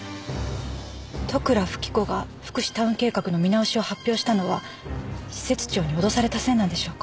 利倉富貴子が福祉タウン計画の見直しを発表したのは施設長に脅されたせいなんでしょうか？